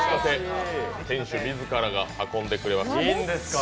店主自らが運んでくれます。